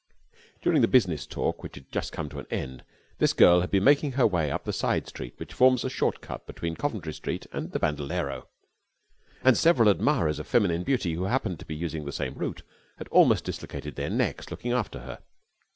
During the business talk which had just come to an end this girl had been making her way up the side street which forms a short cut between Coventry Street and the Bandolero, and several admirers of feminine beauty who happened to be using the same route had almost dislocated their necks looking after her.